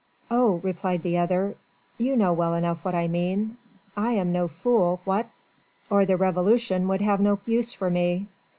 "Oh!" replied the other, "you know well enough what I mean I am no fool, what?... or the Revolution would have no use for me.